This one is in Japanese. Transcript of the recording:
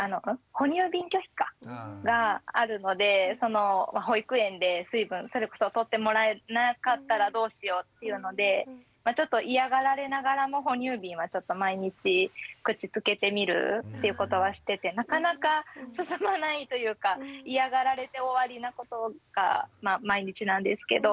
哺乳瓶拒否かがあるので保育園で水分それこそとってもらえなかったらどうしようっていうのでちょっと嫌がられながらも哺乳瓶はちょっと毎日口つけてみるっていうことはしててなかなか進まないというか嫌がられて終わりなことが毎日なんですけど。